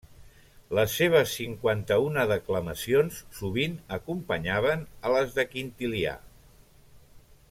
Les seves cinquanta-una declamacions sovint acompanyaven a les de Quintilià.